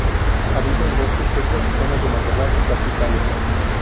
Habita en bosques secos, zonas de matorral y pastizales.